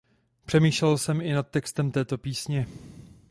Přemýšlel jsem i nad textem této písně.